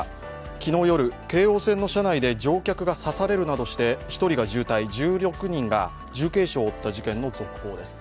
昨日夜、京王線の車内で乗客が刺されるなどして１人が重体、１６人が重軽傷を負った事件の続報です。